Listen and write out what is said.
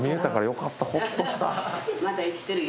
まだ生きてるよ。